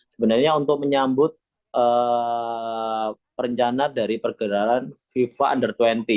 sebenarnya untuk menyambut perencanaan dari pergerakan fifa under dua puluh